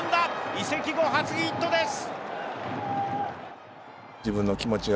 移籍後初ヒットです！